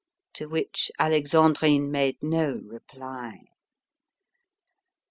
To which Alexandrine made no reply.